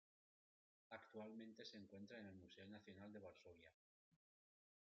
Actualmente se encuentra en el Museo Nacional de Varsovia.